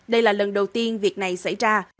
đây là lần đầu tiên việc này xảy ra